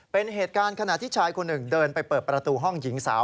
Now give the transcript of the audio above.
เป็นเหตุการณ์ขณะที่ชายคนหนึ่งเดินไปเปิดประตูห้องหญิงสาว